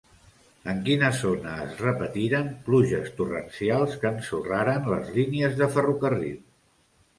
En quina zona es repetiren pluges torrencials que ensorraren les línies de ferrocarril?